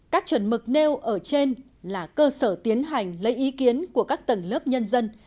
các chuẩn mực nêu ở trên là cơ sở tiến hành lấy ý kiến của các tầng lớp nhân dân